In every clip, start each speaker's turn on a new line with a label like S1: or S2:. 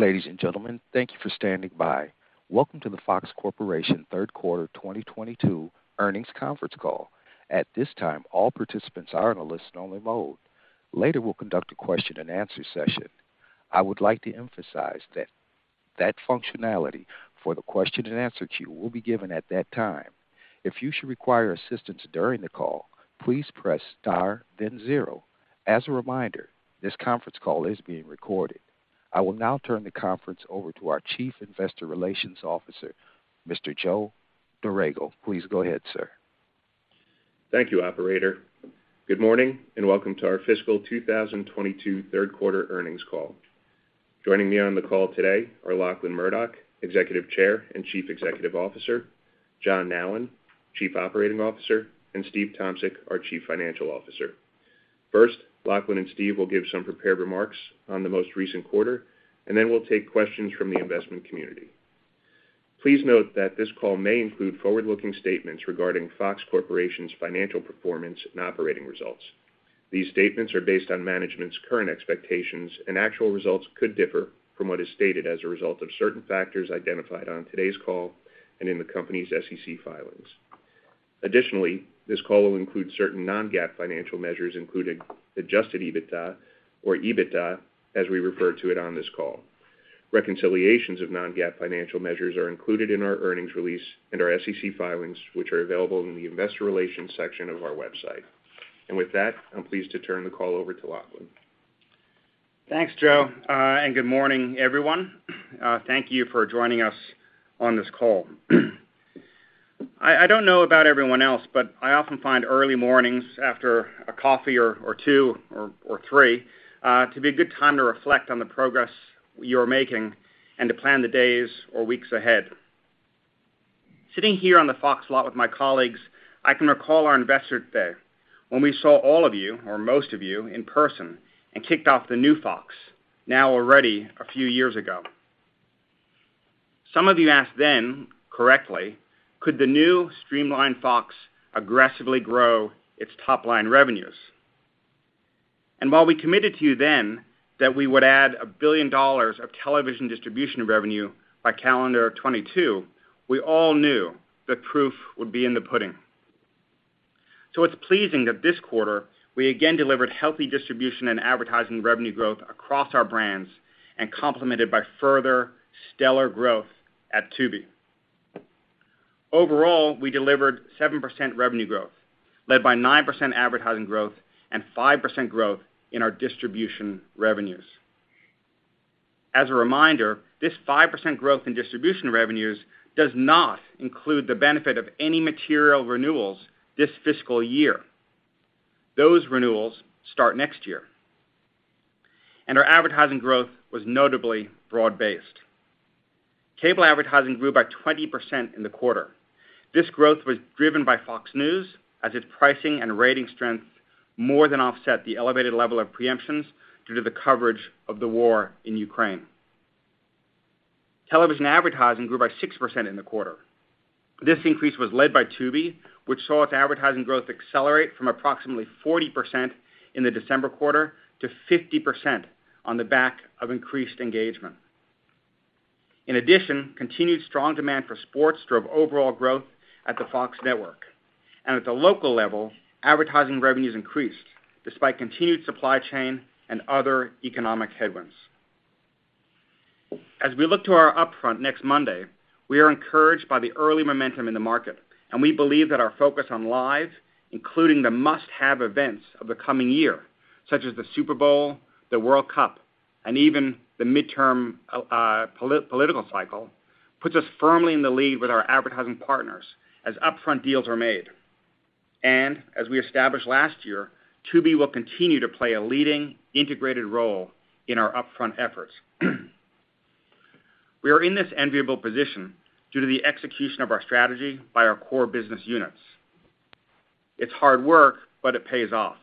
S1: Ladies and gentlemen, thank you for standing by. Welcome to the Fox Corporation Third Quarter 2022 Earnings Conference Call. At this time, all participants are in a listen only mode. Later, we'll conduct a question and answer session. I would like to emphasize that that functionality for the question and answer queue will be given at that time. If you should require assistance during the call, please press Star, then zero. As a reminder, this conference call is being recorded. I will now turn the conference over to our Chief Investor Relations Officer, Mr. Joe Dorrego. Please go ahead, sir.
S2: Thank you, operator. Good morning and welcome to our Fiscal 2022 Third Quarter Earnings Call. Joining me on the call today are Lachlan Murdoch, Executive Chair and Chief Executive Officer, John Nallen, Chief Operating Officer, and Steve Tomsic, our Chief Financial Officer. First, Lachlan and Steve will give some prepared remarks on the most recent quarter, and then we'll take questions from the investment community. Please note that this call may include forward-looking statements regarding Fox Corporation's financial performance and operating results. These statements are based on management's current expectations, and actual results could differ from what is stated as a result of certain factors identified on today's call and in the company's SEC filings. Additionally, this call will include certain non-GAAP financial measures, including Adjusted EBITDA or EBITDA, as we refer to it on this call. Reconciliations of non-GAAP financial measures are included in our earnings release and our SEC filings, which are available in the Investor Relations section of our website. With that, I'm pleased to turn the call over to Lachlan.
S3: Thanks, Joe, and good morning, everyone. Thank you for joining us on this call. I don't know about everyone else, but I often find early mornings after a coffee or two or three to be a good time to reflect on the progress we are making and to plan the days or weeks ahead. Sitting here on the Fox lot with my colleagues, I can recall our Investor Day when we saw all of you or most of you in person and kicked off the new Fox now already a few years ago. Some of you asked then, correctly, could the new streamlined Fox aggressively grow its top-line revenues? While we committed to you then that we would add $1 billion of television distribution revenue by calendar 2022, we all knew the proof would be in the pudding. It's pleasing that this quarter we again delivered healthy distribution and advertising revenue growth across our brands and complemented by further stellar growth at Tubi. Overall, we delivered 7% revenue growth, led by 9% advertising growth and 5% growth in our distribution revenues. As a reminder, this 5% growth in distribution revenues does not include the benefit of any material renewals this fiscal year. Those renewals start next year. Our advertising growth was notably broad-based. Cable advertising grew by 20% in the quarter. This growth was driven by Fox News as its pricing and rating strength more than offset the elevated level of pre-emptions due to the coverage of the war in Ukraine. Television advertising grew by 6% in the quarter. This increase was led by Tubi, which saw its advertising growth accelerate from approximately 40% in the December quarter to 50% on the back of increased engagement. In addition, continued strong demand for sports drove overall growth at the Fox network. At the local level, advertising revenues increased despite continued supply chain and other economic headwinds. As we look to our upfront next Monday, we are encouraged by the early momentum in the market, and we believe that our focus on live, including the must-have events of the coming year, such as the Super Bowl, the World Cup, and even the midterm political cycle, puts us firmly in the lead with our advertising partners as upfront deals are made. As we established last year, Tubi will continue to play a leading, integrated role in our upfront efforts. We are in this enviable position due to the execution of our strategy by our core business units. It's hard work, but it pays off.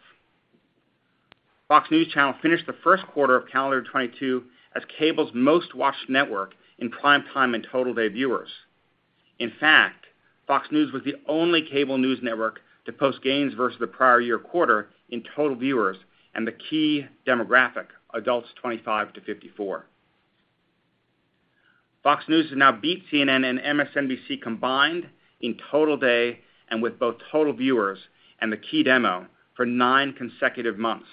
S3: Fox News Channel finished the first quarter of calendar 2022 as cable's most-watched network in prime time and total day viewers. In fact, Fox News was the only cable news network to post gains versus the prior year quarter in total viewers and the key demographic, adults 25 to 54. Fox News has now beat CNN and MSNBC combined in total day and with both total viewers and the key demo for nine consecutive months,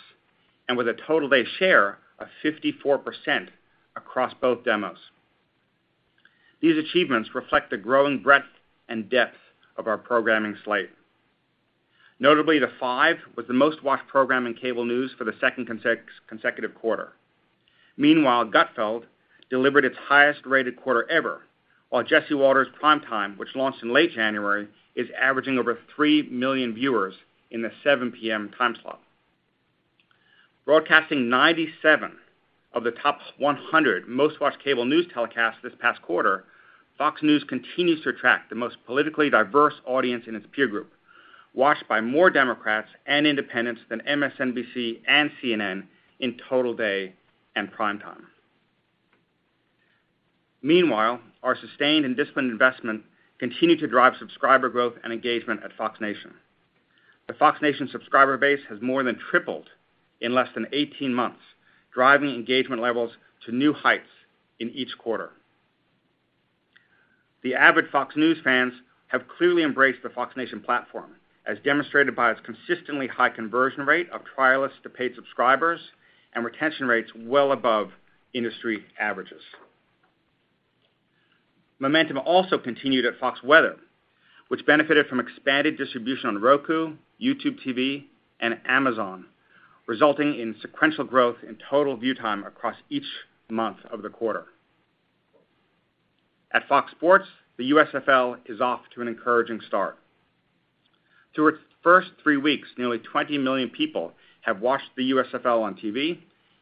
S3: and with a total day share of 54% across both demos. These achievements reflect the growing breadth and depth of our programming slate. Notably, The Five was the most-watched program in cable news for the second consecutive quarter. Meanwhile, Gutfeld! Delivered its highest-rated quarter ever, while Jesse Watters Primetime, which launched in late January, is averaging over 3 million viewers in the 7 P.M. time slot. Broadcasting 97 of the top 100 most-watched cable news telecasts this past quarter, Fox News continues to attract the most politically diverse audience in its peer group, watched by more Democrats and independents than MSNBC and CNN in total day and prime time. Meanwhile, our sustained and disciplined investment continued to drive subscriber growth and engagement at Fox Nation. The Fox Nation subscriber base has more than tripled in less than 18 months, driving engagement levels to new heights in each quarter. The avid Fox News fans have clearly embraced the Fox Nation platform, as demonstrated by its consistently high conversion rate of trialists to paid subscribers and retention rates well above industry averages. Momentum also continued at FOX Weather, which benefited from expanded distribution on Roku, YouTube TV, and Amazon, resulting in sequential growth in total view time across each month of the quarter. At Fox Sports, the USFL is off to an encouraging start. Through its first three weeks, nearly 20 million people have watched the USFL on TV,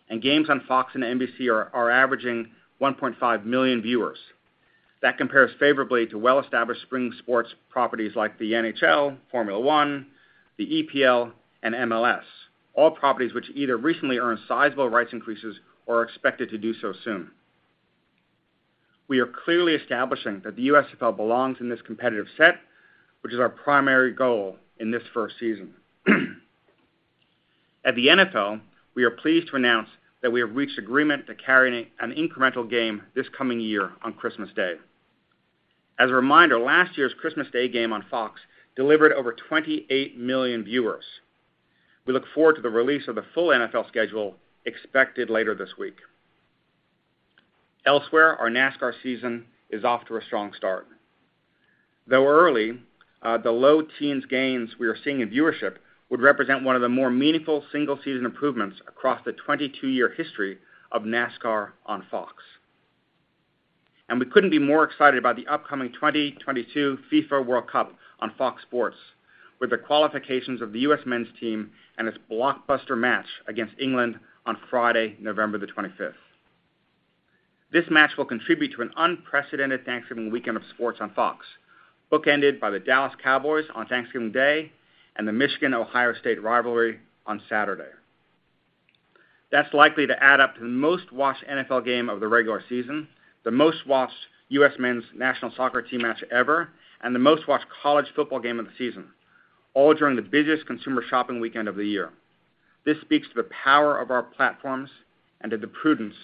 S3: and games on Fox and NBC are averaging 1.5 million viewers. That compares favorably to well-established spring sports properties like the NHL, Formula One, the EPL, and MLS, all properties which either recently earned sizable rights increases or are expected to do so soon. We are clearly establishing that the USFL belongs in this competitive set, which is our primary goal in this first season. At the NFL, we are pleased to announce that we have reached agreement to carry an incremental game this coming year on Christmas Day. As a reminder, last year's Christmas Day game on Fox delivered over 28 million viewers. We look forward to the release of the full NFL schedule expected later this week. Elsewhere, our NASCAR season is off to a strong start. Though early, the low teens gains we are seeing in viewership would represent one of the more meaningful single-season improvements across the 22-year history of NASCAR on Fox. We couldn't be more excited about the upcoming 2022 FIFA World Cup on Fox Sports with the qualifications of the U.S. Men's National Soccer team and its blockbuster match against England on Friday, November 25. This match will contribute to an unprecedented Thanksgiving weekend of sports on Fox, bookended by the Dallas Cowboys on Thanksgiving Day and the Michigan-Ohio State rivalry on Saturday. That's likely to add up to the most-watched NFL game of the regular season, the most-watched U.S. Men's National Soccer Team match ever, and the most-watched college football game of the season, all during the busiest consumer shopping weekend of the year. This speaks to the power of our platforms and to the prudence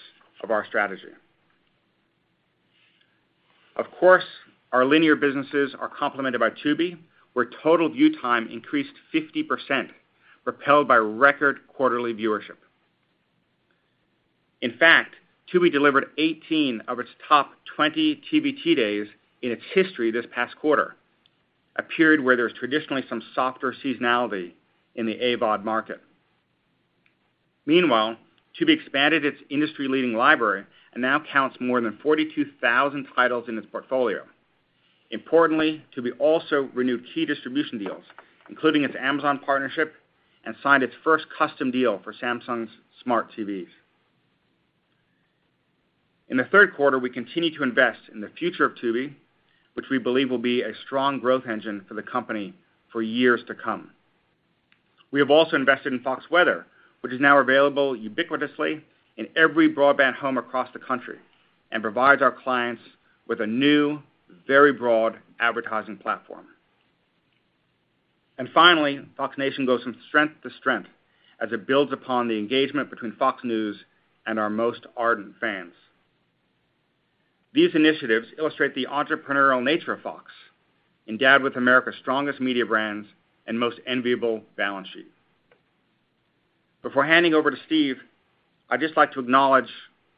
S3: of our strategy. Of course, our linear businesses are complemented by Tubi, where total view time increased 50%, propelled by record quarterly viewership. In fact, Tubi delivered 18 of its top 20 TVT days in its history this past quarter, a period where there's traditionally some softer seasonality in the AVOD market. Meanwhile, Tubi expanded its industry-leading library and now counts more than 42,000 titles in its portfolio. Importantly, Tubi also renewed key distribution deals, including its Amazon partnership, and signed its first custom deal for Samsung's smart TVs. In the third quarter, we continued to invest in the future of Tubi, which we believe will be a strong growth engine for the company for years to come. We have also invested in Fox Weather, which is now available ubiquitously in every broadband home across the country and provides our clients with a new, very broad advertising platform. Finally, Fox Nation goes from strength to strength as it builds upon the engagement between Fox News and our most ardent fans. These initiatives illustrate the entrepreneurial nature of Fox, endowed with America's strongest media brands and most enviable balance sheet. Before handing over to Steve, I'd just like to acknowledge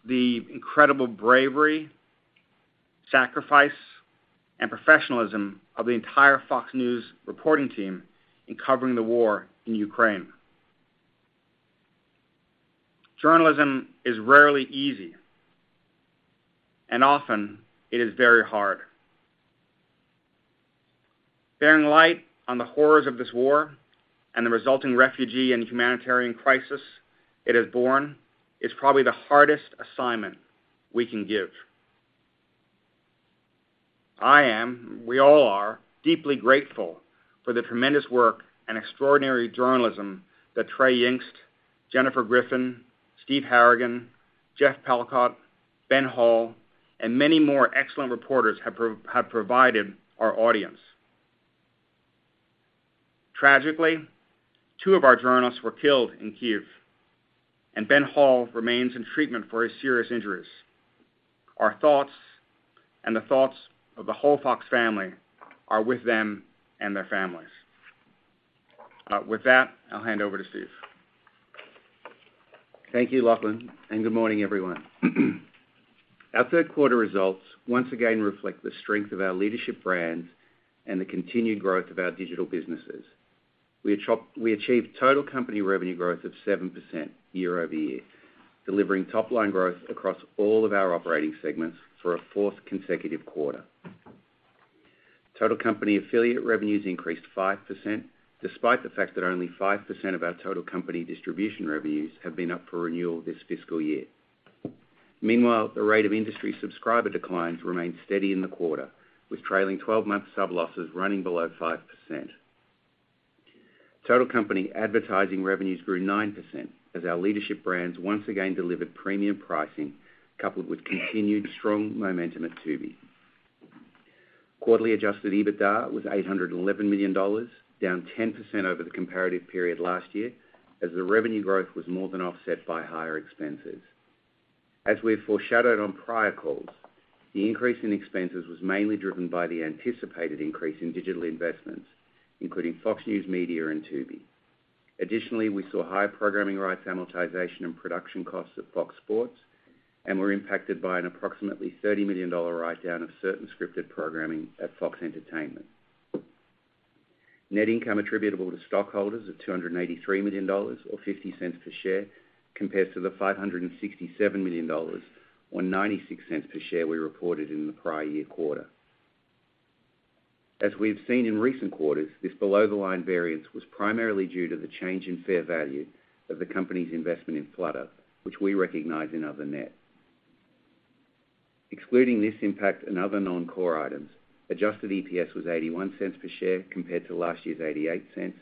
S3: the incredible bravery, sacrifice, and professionalism of the entire Fox News reporting team in covering the war in Ukraine. Journalism is rarely easy, and often it is very hard. Bearing light on the horrors of this war and the resulting refugee and humanitarian crisis it has borne is probably the hardest assignment we can give. I am, we all are, deeply grateful for the tremendous work and extraordinary journalism that Trey Yingst, Jennifer Griffin, Steve Harrigan, Jeff Paul, Benjamin Hall, and many more excellent reporters have provided our audience. Tragically, two of our journalists were killed in Kyiv, and Benjamin Hall remains in treatment for his serious injuries. Our thoughts and the thoughts of the whole Fox family are with them and their families. With that, I'll hand over to Steve.
S4: Thank you, Lachlan, and good morning, everyone. Our third quarter results once again reflect the strength of our leadership brands and the continued growth of our digital businesses. We achieved total company revenue growth of 7% year-over-year, delivering top-line growth across all of our operating segments for a fourth consecutive quarter. Total company affiliate revenues increased 5%, despite the fact that only 5% of our total company distribution revenues have been up for renewal this fiscal year. Meanwhile, the rate of industry subscriber declines remained steady in the quarter, with trailing 12-month sub losses running below 5%. Total company advertising revenues grew 9% as our leadership brands once again delivered premium pricing, coupled with continued strong momentum at Tubi. Quarterly Adjusted EBITDA was $811 million, down 10% over the comparative period last year as the revenue growth was more than offset by higher expenses. As we've foreshadowed on prior calls, the increase in expenses was mainly driven by the anticipated increase in digital investments, including Fox News Media and Tubi. Additionally, we saw higher programming rights amortization and production costs at Fox Sports, and were impacted by an approximately $30 million write-down of certain scripted programming at Fox Entertainment. Net income attributable to stockholders of $283 million or $0.50 per share, compared to the $567 million or $0.96 per share we reported in the prior year quarter. As we've seen in recent quarters, this below-the-line variance was primarily due to the change in fair value of the company's investment in Flutter Entertainment, which we recognize in other net. Excluding this impact and other non-core items, Adjusted EPS was $0.81 per share compared to last year's $0.88,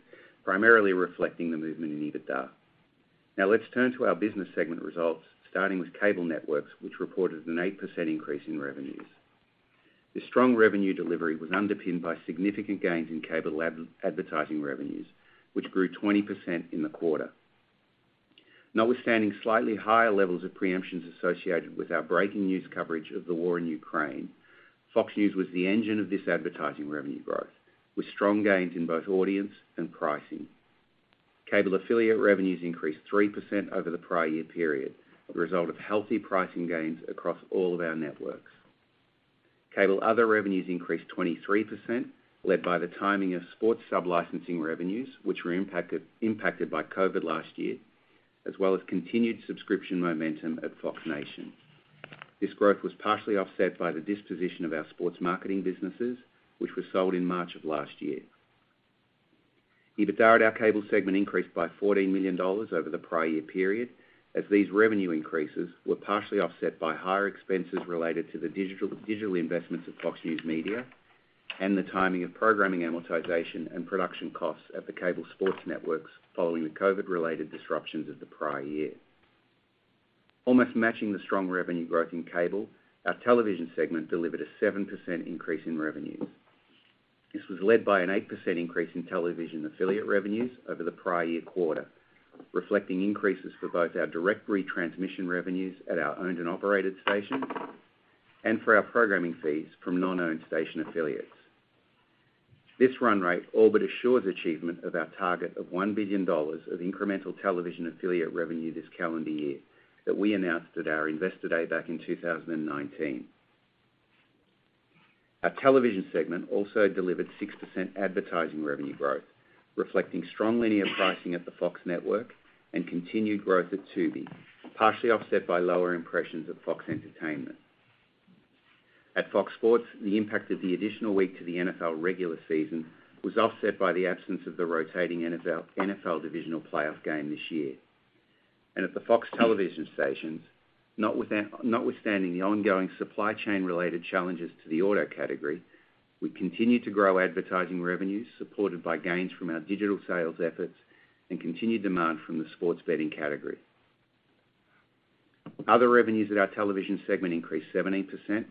S4: primarily reflecting the movement in EBITDA. Now let's turn to our business segment results, starting with cable networks, which reported an 8% increase in revenues. This strong revenue delivery was underpinned by significant gains in cable advertising revenues, which grew 20% in the quarter. Notwithstanding slightly higher levels of preemptions associated with our breaking news coverage of the war in Ukraine, Fox News was the engine of this advertising revenue growth, with strong gains in both audience and pricing. Cable affiliate revenues increased 3% over the prior year period, a result of healthy pricing gains across all of our networks. Cable other revenues increased 23%, led by the timing of sports sub-licensing revenues, which were impacted by COVID last year, as well as continued subscription momentum at Fox Nation. This growth was partially offset by the disposition of our sports marketing businesses, which were sold in March of last year. EBITDA at our cable segment increased by $14 million over the prior year period, as these revenue increases were partially offset by higher expenses related to the digital investments of Fox News Media and the timing of programming amortization and production costs at the cable sports networks following the COVID-related disruptions of the prior year. Almost matching the strong revenue growth in cable, our television segment delivered a 7% increase in revenues. This was led by an 8% increase in television affiliate revenues over the prior year quarter, reflecting increases for both our direct retransmission revenues at our owned and operated stations and for our programming fees from non-owned station affiliates. This run rate all but assures achievement of our target of $1 billion of incremental television affiliate revenue this calendar year that we announced at our Investor Day back in 2019. Our television segment also delivered 6% advertising revenue growth, reflecting strong linear pricing at the Fox network and continued growth at Tubi, partially offset by lower impressions at Fox Entertainment. At Fox Sports, the impact of the additional week to the NFL regular season was offset by the absence of the rotating NFL divisional playoff game this year. At the Fox television stations, notwithstanding the ongoing supply chain-related challenges to the auto category, we continued to grow advertising revenues supported by gains from our digital sales efforts and continued demand from the sports betting category. Other revenues at our television segment increased 17%,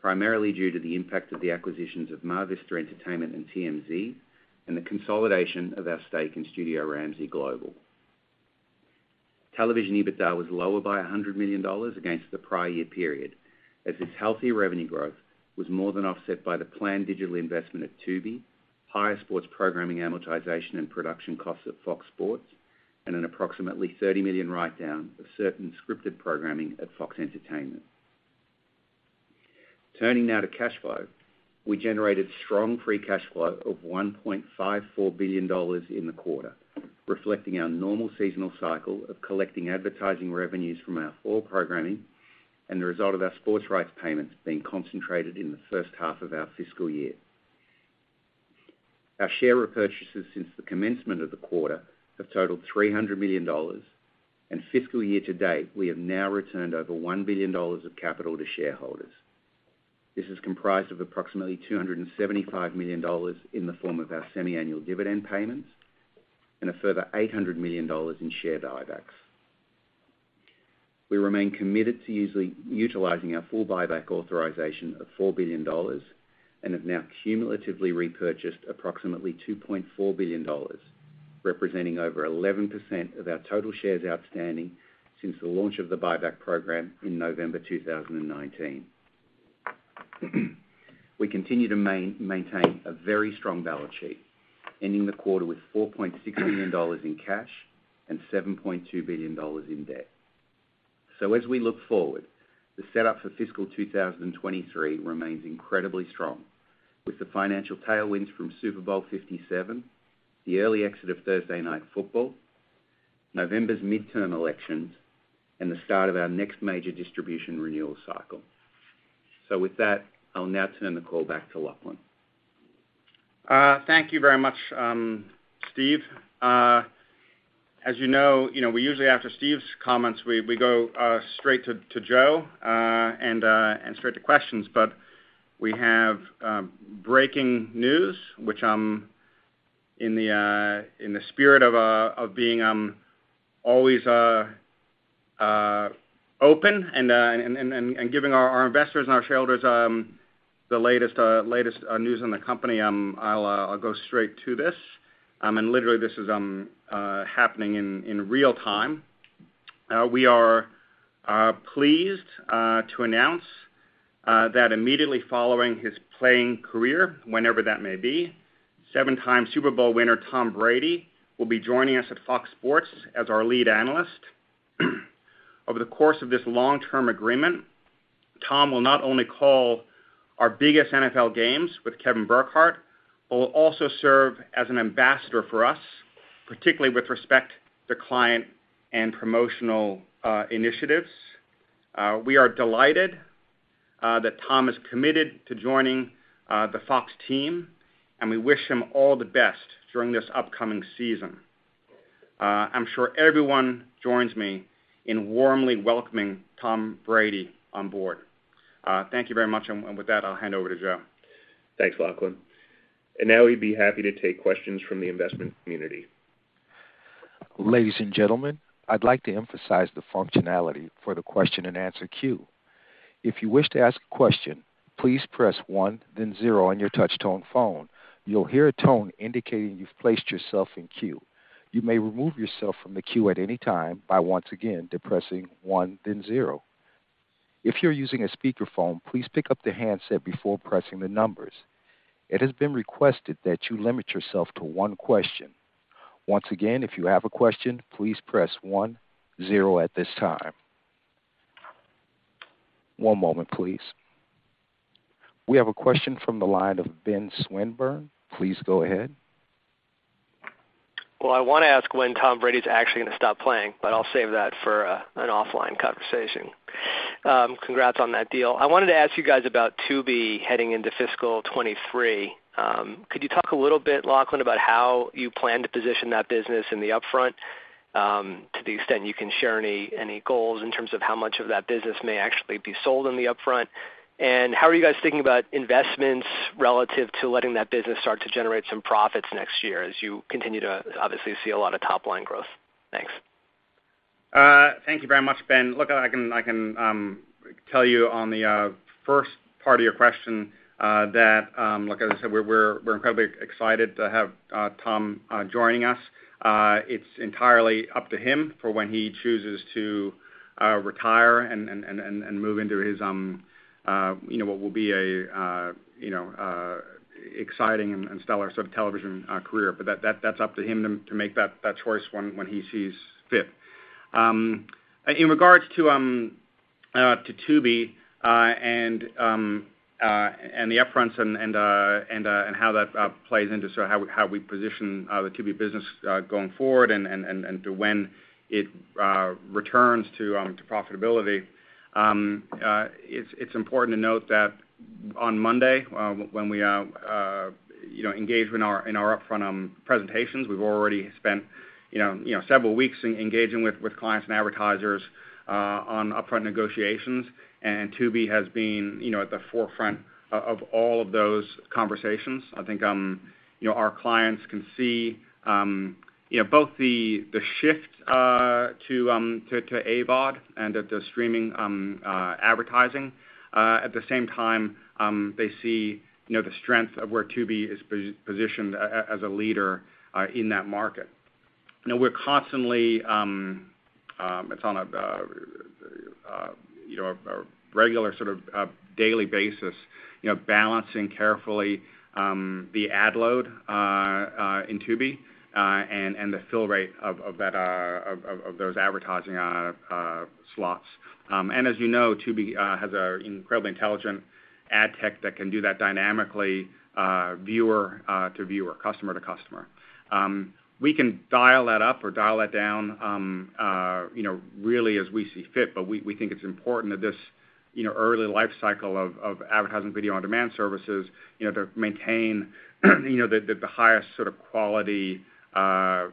S4: primarily due to the impact of the acquisitions of MarVista Entertainment and TMZ and the consolidation of our stake in Studio Ramsay Global. Television EBITDA was lower by $100 million against the prior year period, as its healthy revenue growth was more than offset by the planned digital investment at Tubi, higher sports programming amortization and production costs at Fox Sports, and an approximately $30 million write-down of certain scripted programming at Fox Entertainment. Turning now to cash flow. We generated strong free cash flow of $1.54 billion in the quarter, reflecting our normal seasonal cycle of collecting advertising revenues from our fall programming and the result of our sports rights payments being concentrated in the first half of our fiscal year. Our share repurchases since the commencement of the quarter have totaled $300 million, and fiscal year to date, we have now returned over $1 billion of capital to shareholders. This is comprised of approximately $275 million in the form of our semi-annual dividend payments and a further $800 million in share buybacks. We remain committed to utilizing our full buyback authorization of $4 billion and have now cumulatively repurchased approximately $2.4 billion, representing over 11% of our total shares outstanding since the launch of the buyback program in November 2019. We continue to maintain a very strong balance sheet, ending the quarter with $4.6 billion in cash and $7.2 billion in debt. As we look forward, the setup for fiscal 2023 remains incredibly strong with the financial tailwinds from Super Bowl LVII, the early exit of Thursday Night Football, November's midterm elections, and the start of our next major distribution renewal cycle. With that, I'll now turn the call back to Lachlan.
S3: Thank you very much, Steve. As you know, you know, we usually after Steve's comments, we go straight to Joe and straight to questions, but we have breaking news, which I'm in the spirit of being always open and giving our investors and our shareholders the latest news on the company. I'll go straight to this. Literally, this is happening in real-time. We are pleased to announce that immediately following his playing career, whenever that may be, seven-time Super Bowl winner Tom Brady will be joining us at Fox Sports as our lead analyst. Over the course of this long-term agreement, Tom will not only call our biggest NFL games with Kevin Burkhardt, but will also serve as an ambassador for us, particularly with respect to client and promotional initiatives. We are delighted that Tom is committed to joining the Fox team, and we wish him all the best during this upcoming season. I'm sure everyone joins me in warmly welcoming Tom Brady on board. Thank you very much. With that, I'll hand over to Joe.
S2: Thanks, Lachlan. Now we'd be happy to take questions from the investment community.
S1: Ladies and gentlemen, I'd like to emphasize the functionality for the question-and-answer queue. If you wish to ask a question, please press one then zero on your touch tone phone. You'll hear a tone indicating you've placed yourself in queue. You may remove yourself from the queue at any time by once again depressing one then zero. If you're using a speakerphone, please pick up the handset before pressing the numbers. It has been requested that you limit yourself to one question. Once again, if you have a question, please press one, zero at this time. One moment, please. We have a question from the line of Ben Swinburne. Please go ahead.
S5: Well, I wanna ask when Tom Brady's actually gonna stop playing, but I'll save that for an offline conversation. Congrats on that deal. I wanted to ask you guys about Tubi heading into fiscal 2023. Could you talk a little bit, Lachlan, about how you plan to position that business in the upfront, to the extent you can share any goals in terms of how much of that business may actually be sold in the upfront? How are you guys thinking about investments relative to letting that business start to generate some profits next year as you continue to obviously see a lot of top-line growth? Thanks.
S3: Thank you very much, Ben. Look, I can tell you on the first part of your question, that like I said, we're incredibly excited to have Tom joining us. It's entirely up to him for when he chooses to retire and move into his you know, what will be a you know, exciting and stellar sort of television career. That's up to him to make that choice when he sees fit. In regards to Tubi and the upfronts and how that plays into sort of how we position the Tubi business going forward and to when it returns to profitability, it's important to note that on Monday when we you know engage in our upfront presentations, we've already spent you know several weeks engaging with clients and advertisers on upfront negotiations, and Tubi has been you know at the forefront of all of those conversations. I think you know our clients can see you know both the shift to AVOD and to streaming advertising. At the same time, they see, you know, the strength of where Tubi is positioned as a leader in that market. You know, we're constantly on a regular sort of daily basis, you know, balancing carefully the ad load in Tubi and the fill rate of those advertising slots. As you know, Tubi has an incredibly intelligent ad tech that can do that dynamically, viewer to viewer, customer to customer. We can dial that up or dial that down, you know, really as we see fit, but we think it's important that this, you know, early life cycle of advertising video on demand services, you know, to maintain the highest sort of quality,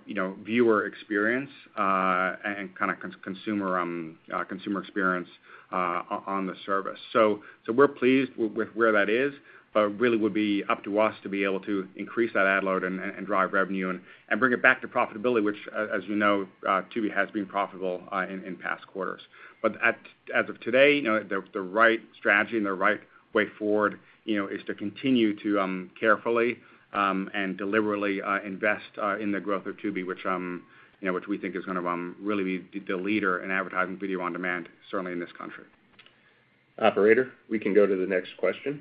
S3: you know, viewer experience, and kinda consumer experience on the service. We're pleased with where that is, but really would be up to us to be able to increase that ad load and drive revenue and bring it back to profitability, which as you know, Tubi has been profitable in past quarters. As of today, you know, the right strategy and the right way forward, you know, is to continue to carefully and deliberately invest in the growth of Tubi, which, you know, we think is gonna really be the leader in advertising video on demand, certainly in this country.
S2: Operator, we can go to the next question.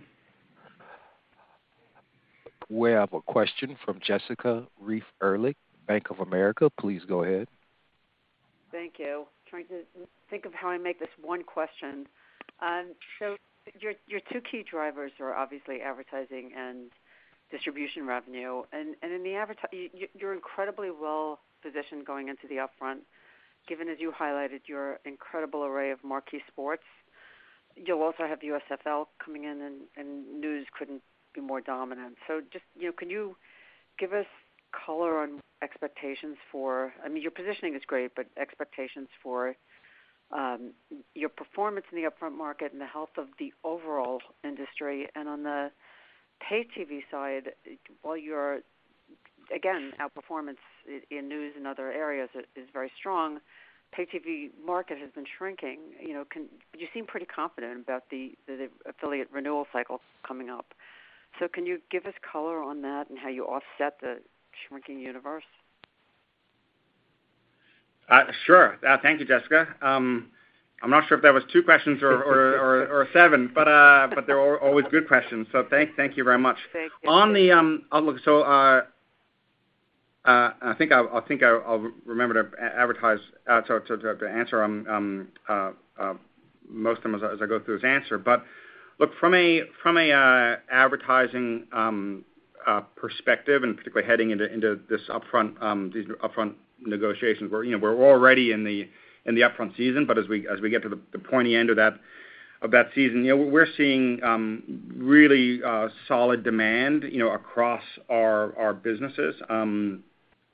S1: We have a question from Jessica Reif Ehrlich, Bank of America. Please go ahead.
S6: Thank you. Trying to think of how I make this one question. Your two key drivers are obviously advertising and distribution revenue. In the advertising, you're incredibly well positioned going into the upfront, given as you highlighted your incredible array of marquee sports. You'll also have USFL coming in and news couldn't be more dominant. Just, you know, can you give us color on expectations for. I mean, your positioning is great, but expectations for your performance in the upfront market and the health of the overall industry. On the pay TV side, while your, again, outperformance in news and other areas is very strong, pay TV market has been shrinking. You seem pretty confident about the affiliate renewal cycle coming up. Can you give us color on that and how you offset the shrinking universe?
S3: Sure. Thank you, Jessica. I'm not sure if that was two questions or seven, but they're always good questions, so thank you very much.
S6: Thanks.
S3: On the outlook, I think I'll remember to address, to answer on most of them as I go through this answer. Look, from an advertising perspective, and particularly heading into these upfront negotiations, you know, we're already in the upfront season, but as we get to the pointy end of that season, you know, we're seeing really solid demand, you know, across our businesses.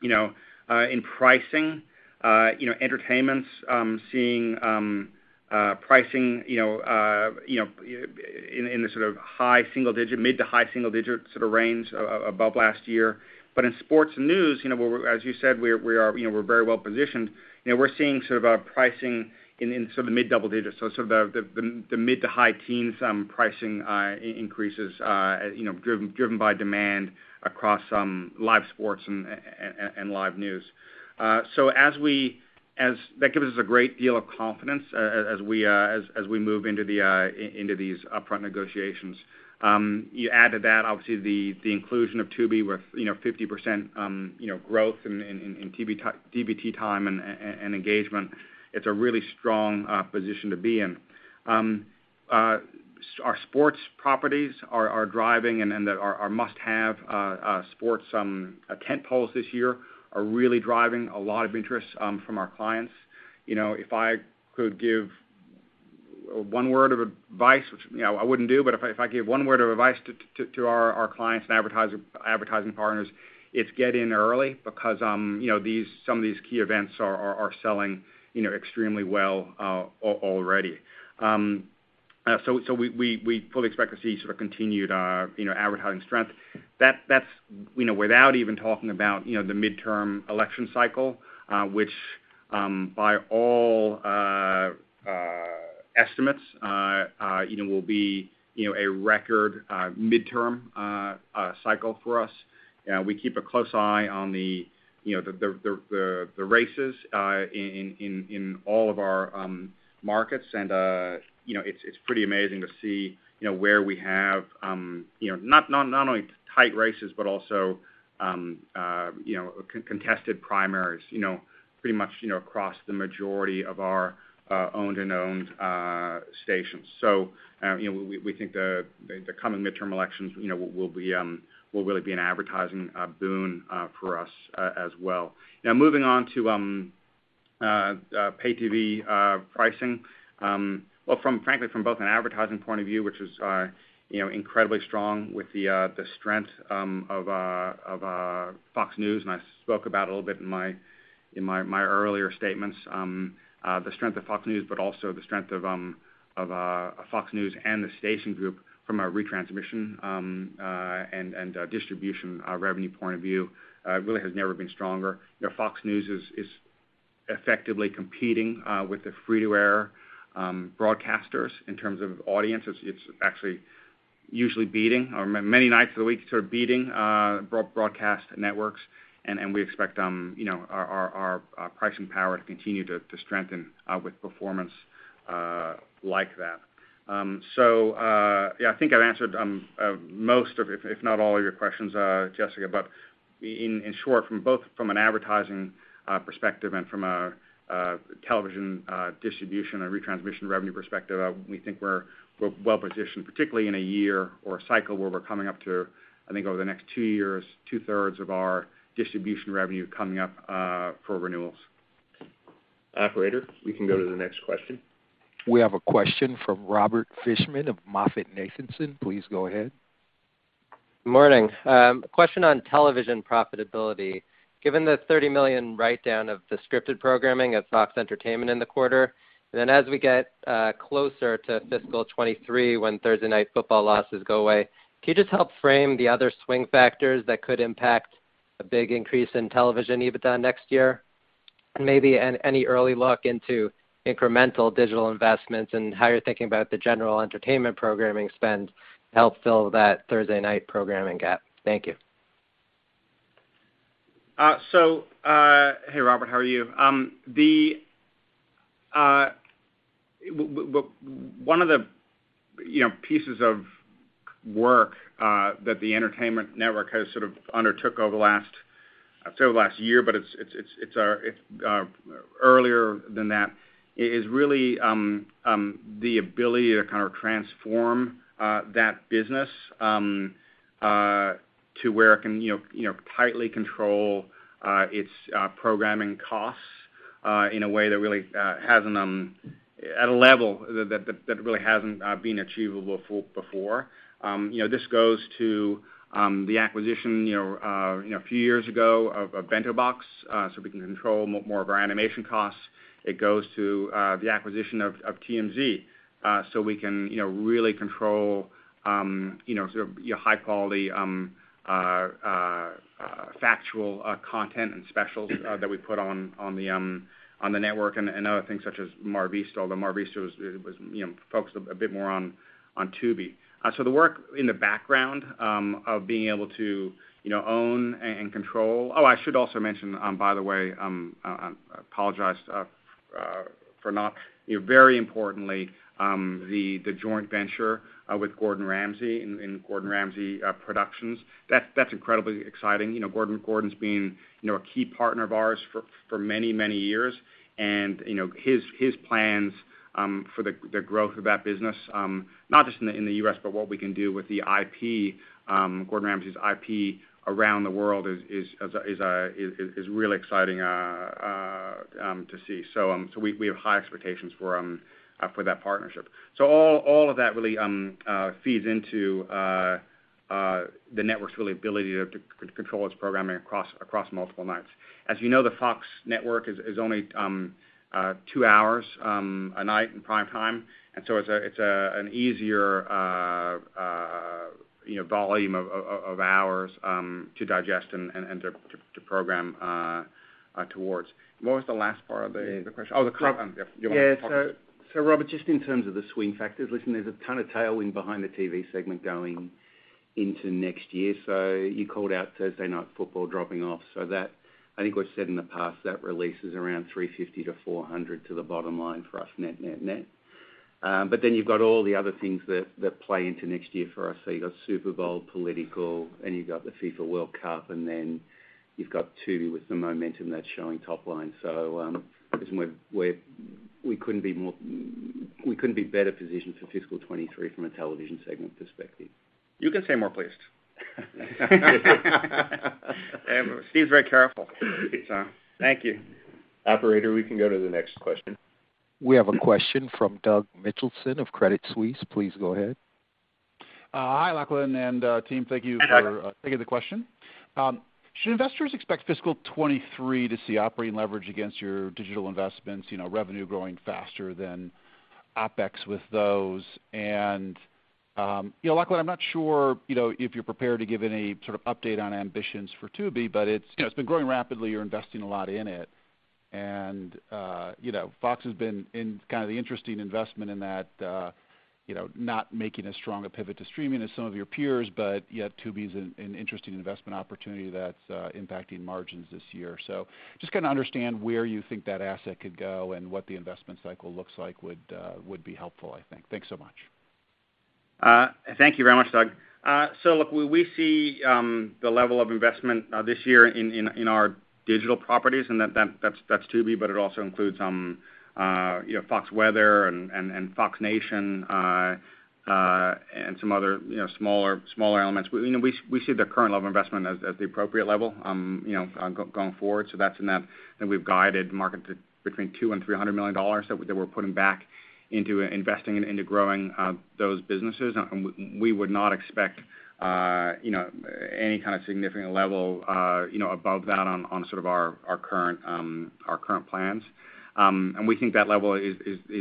S3: In pricing, you know, entertainment's seeing pricing, you know, in the sort of high single digit, mid to high single digit sort of range above last year. In sports news, you know, as you said, we're very well positioned. You know, we're seeing sort of our pricing in some mid double digits, so sort of the mid to high teens pricing increases, you know, driven by demand across live sports and live news. So as that gives us a great deal of confidence as we move into these upfront negotiations. You add to that obviously the inclusion of Tubi with 50% growth in TV time and TVT time and engagement. It's a really strong position to be in. Our sports properties are driving, and our must-have sports tent poles this year are really driving a lot of interest from our clients. You know, if I could give one word of advice, which you know I wouldn't do, but if I give one word of advice to our clients and advertising partners, it's get in early because you know some of these key events are selling you know extremely well already. We fully expect to see sort of continued you know advertising strength. That's you know without even talking about you know the midterm election cycle, which by all estimates you know will be you know a record midterm cycle for us. We keep a close eye on the races in all of our markets. You know, it's pretty amazing to see, you know, where we have not only tight races, but also contested primaries pretty much across the majority of our owned stations. You know, we think the coming midterm elections will really be an advertising boon for us as well. Now moving on to pay TV pricing. Well, frankly, from both an advertising point of view, which is, you know, incredibly strong with the strength of, Fox News, and I spoke about a little bit in my earlier statements, the strength of Fox News, but also the strength of, Fox News and the station group from a retransmission, and, distribution revenue point of view, really has never been stronger. You know, Fox News is effectively competing with the free to air broadcasters in terms of audience. It's actually usually beating or many nights of the week sort of beating broadcast networks. We expect, you know, our pricing power to continue to strengthen with performance like that. Yeah, I think I've answered most of, if not all of your questions, Jessica, but in short, from both an advertising perspective and from a television distribution or retransmission revenue perspective, we think we're well positioned, particularly in a year or a cycle where we're coming up to, I think over the next two years, two-thirds of our distribution revenue coming up for renewals. Operator, we can go to the next question.
S1: We have a question from Robert Fishman of MoffettNathanson. Please go ahead.
S7: Morning. Question on television profitability. Given the $30 million write-down of the scripted programming at Fox Entertainment in the quarter, and then as we get closer to fiscal 2023 when Thursday Night Football losses go away, can you just help frame the other swing factors that could impact a big increase in television EBITDA next year? Maybe any early look into incremental digital investments and how you're thinking about the general entertainment programming spend to help fill that Thursday night programming gap. Thank you.
S3: Hey, Robert, how are you? Well, one of the, you know, pieces of work that the entertainment network has sort of undertook over the last, I'd say over last year, but it's earlier than that, is really the ability to kind of transform that business to where it can, you know, tightly control its programming costs in a way that really hasn't at a level that really hasn't been achievable before. You know, this goes to the acquisition, you know, a few years ago of Bento Box, so we can control more of our animation costs. It goes to the acquisition of TMZ, so we can, you know, really control, you know, sort of, you know, high quality factual content and specials that we put on the network and other things such as MarVista. Although MarVista was, you know, focused a bit more on Tubi. So the work in the background of being able to, you know, own and control. I should also mention, by the way, very importantly, the joint venture with Gordon Ramsay in Gordon Ramsay Productions, that's incredibly exciting. You know, Gordon's been, you know, a key partner of ours for many, many years. You know, his plans for the growth of that business, not just in the U.S., but what we can do with the IP, Gordon Ramsay's IP around the world is really exciting to see. We have high expectations for that partnership. All of that really feeds into the network's real ability to control its programming across multiple nights. As you know, the Fox network is only two hours a night in primetime. It's an easier volume of hours to digest and to program towards. What was the last part of the question? The crop. Yeah. You wanna talk—
S4: Robert, just in terms of the swing factors, listen, there's a ton of tailwind behind the TV segment going into next year. You called out Thursday Night Football dropping off. That, I think we've said in the past, that release is around $350 to $400 to the bottom line for us net, net. Then you've got all the other things that play into next year for us. You've got Super Bowl, political, and you've got the FIFA World Cup, and then you've got Tubi with the momentum that's showing top line. Listen, we couldn't be better positioned for fiscal 2023 from a television segment perspective.
S3: You can say more please. Steve's very careful.
S2: Thank you. Operator, we can go to the next question.
S1: We have a question from Doug Mitchelson of Credit Suisse. Please go ahead.
S8: Hi, Lachlan and team. Thank you for—
S3: Hi, Doug.
S8: Thank you for the question. Should investors expect fiscal 2023 to see operating leverage against your digital investments, you know, revenue growing faster than OpEx with those? You know, Lachlan, I'm not sure, you know, if you're prepared to give any sort of update on ambitions for Tubi, but it's been growing rapidly. You're investing a lot in it. You know, Fox has been making kind of an interesting investment in that, you know, not making as strong a pivot to streaming as some of your peers, but yet Tubi's an interesting investment opportunity that's impacting margins this year. Just to kind of understand where you think that asset could go and what the investment cycle looks like would be helpful, I think. Thanks so much.
S3: Thank you very much, Doug. We see the level of investment this year in our digital properties, and that's Tubi, but it also includes you know, Fox Weather and Fox Nation, and some other you know, smaller elements. We you know, see the current level of investment as the appropriate level you know, going forward. That's what we've guided the market to between $200 million and $300 million that we're putting back into investing and into growing those businesses. We would not expect you know, any kind of significant level you know, above that on sort of our current plans. We think that level is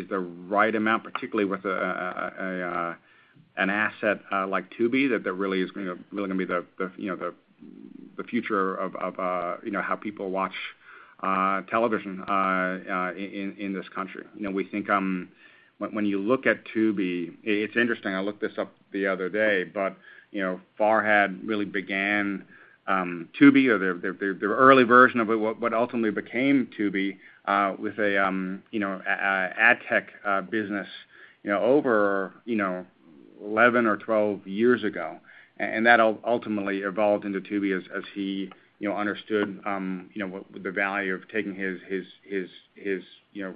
S3: the right amount, particularly with an asset like Tubi that really is gonna be the you know the future of you know how people watch television in this country. You know, we think, when you look at Tubi, it's interesting. I looked this up the other day, but you know, Farhad really began Tubi or the early version of what ultimately became Tubi with a tech business you know over 11 or 12 years ago. Ultimately evolved into Tubi as he, you know, understood, you know, what the value of taking his, you know,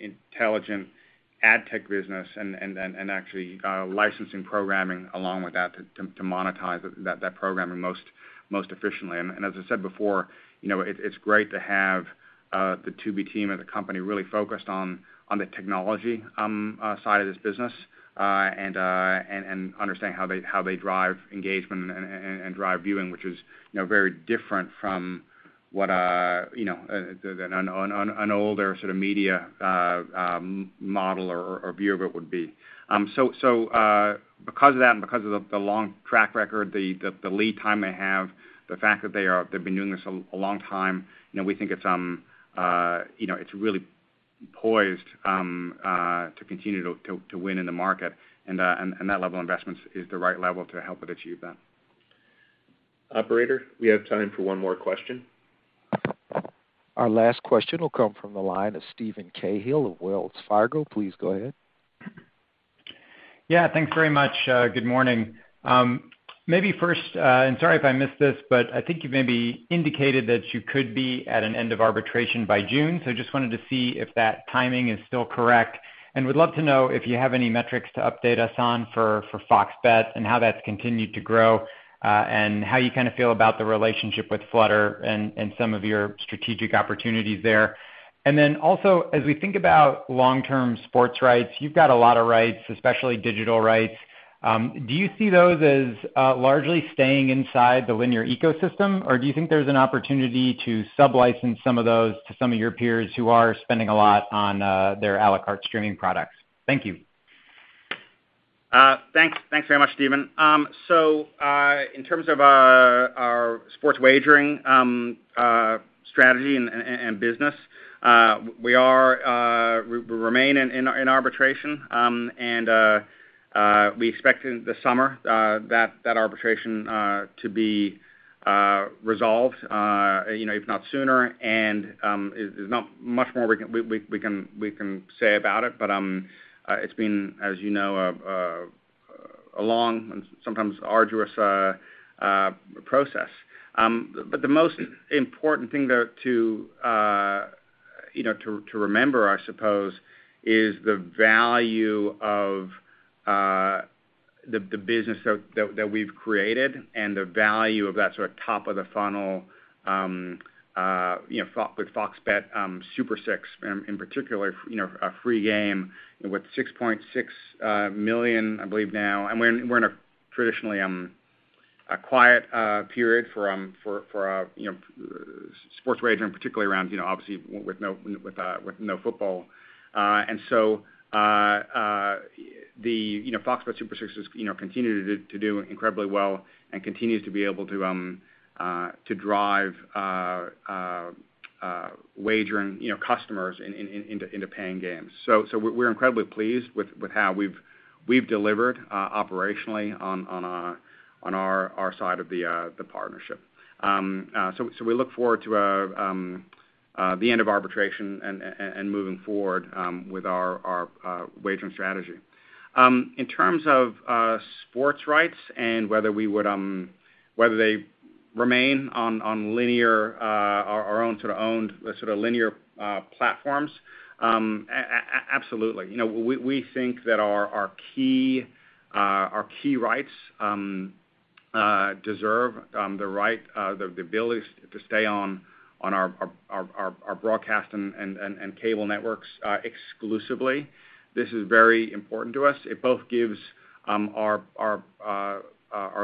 S3: intelligent ad tech business and then actually licensing programming along with that to monetize that programming most efficiently. As I said before, you know, it's great to have the Tubi team and the company really focused on the technology side of this business and understanding how they drive engagement and drive viewing, which is, you know, very different from what, you know, than an older sort of media model or view of it would be. Because of that and because of the long track record, the lead time they have, the fact that they've been doing this a long time, you know, we think it's you know, it's really poised to continue to win in the market. That level of investments is the right level to help it achieve that. Operator, we have time for one more question.
S1: Our last question will come from the line of Steven Cahall of Wells Fargo. Please go ahead.
S9: Yeah, thanks very much. Good morning. Maybe first, sorry if I missed this, but I think you maybe indicated that you could be at an end of arbitration by June. Just wanted to see if that timing is still correct, and would love to know if you have any metrics to update us on for FOX Bet and how that's continued to grow, and how you kinda feel about the relationship with Flutter and some of your strategic opportunities there. Then also, as we think about long-term sports rights, you've got a lot of rights, especially digital rights, do you see those as largely staying inside the linear ecosystem, or do you think there's an opportunity to sub-license some of those to some of your peers who are spending a lot on their à la carte streaming products? Thank you.
S3: Thanks very much, Steven. In terms of our sports wagering strategy and business, we remain in arbitration, and we expect in the summer that arbitration to be resolved, you know, if not sooner. There's not much more we can say about it, but it's been, as you know, a long and sometimes arduous process. The most important thing though to you know to remember, I suppose, is the value of the business that we've created and the value of that sort of top of the funnel you know with FOX Bet Super 6 in particular, you know a free game with 6.6 million, I believe now. We're in a traditionally quiet period for you know sports wagering, particularly around you know obviously with no football. You know, the FOX Bet Super 6 continues to do incredibly well and continues to be able to drive wagering customers into paying games. We're incredibly pleased with how we've delivered operationally on our side of the partnership. We look forward to the end of arbitration and moving forward with our wagering strategy. In terms of sports rights and whether they remain on linear, our own sort of owned sort of linear platforms, absolutely. You know, we think that our key rights deserve the ability to stay on our broadcast and cable networks exclusively. This is very important to us. It both gives our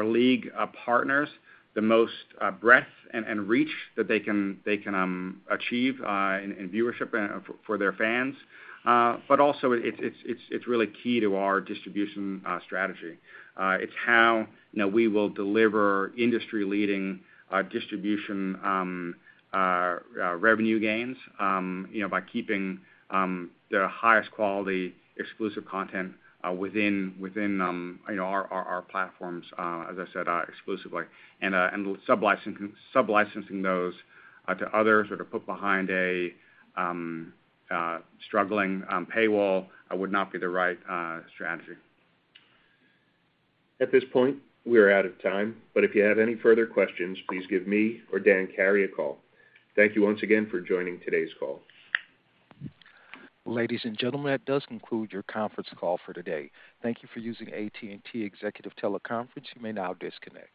S3: league partners the most breadth and reach that they can achieve in viewership and for their fans. Also it's really key to our distribution strategy. It's how, you know, we will deliver industry-leading distribution revenue gains, you know, by keeping the highest quality exclusive content within, you know, our platforms, as I said, exclusively. Sublicensing those to others or to put behind a struggling paywall would not be the right strategy.
S2: At this point, we are out of time, but if you have any further questions, please give me or Dan Carey a call. Thank you once again for joining today's call.
S1: Ladies and gentlemen, that does conclude your conference call for today. Thank you for using AT&T Executive Teleconference. You may now disconnect.